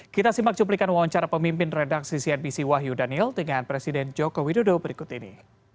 kita simak cuplikan wawancara pemimpin redaksi cnbc wahyu daniel dengan presiden joko widodo berikut ini